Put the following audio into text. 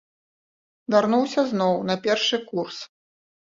Вярнуўся зноў на першы курс.